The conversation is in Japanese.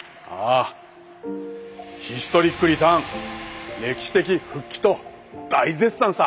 ヒストリックリターン歴史的復帰と大絶賛さ！